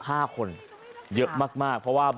โอ้โหพังเรียบเป็นหน้ากล่องเลยนะครับ